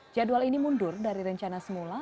jadwal ini mundur dari rencana semula